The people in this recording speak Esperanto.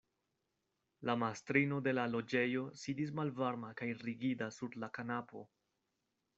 La mastrino de la loĝejo sidis malvarma kaj rigida sur la kanapo.